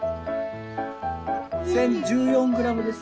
１０１４グラムです。